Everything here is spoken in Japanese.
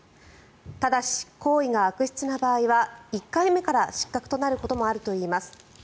ただし、行為が悪質な場合は１回目から失格になることもあるといいます。